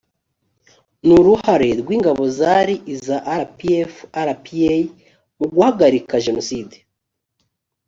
n uruhare rw ingabo zari iza rpf rpa mu guhagarika jenoside